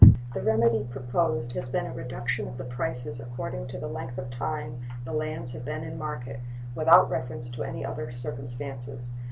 The remedy proposed has been a reduction of the prices according to the length of time the lands have been in market, without reference to any other circumstances.